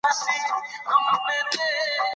ځنګلونه د افغانستان د بڼوالۍ برخه ده.